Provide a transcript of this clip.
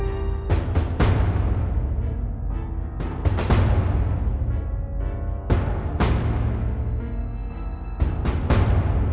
เวลาที่สุดตอนที่สุดตอนที่สุดตอนที่สุด